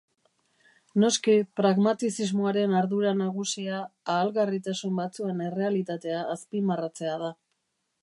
Noski, pragmatizismoaren ardura nagusia ahalgarritasun batzuen errealitatea azpimarratzea da.